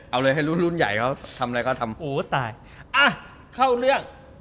เอาเลยให้รุ่นรุ่นใหญ่เขาทำอะไรก็ทำโอ้ตายอ่ะเข้าเรื่อง